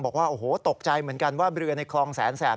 บอกว่าโอ้โหตกใจเหมือนกันว่าเรือในคลองแสนแสบ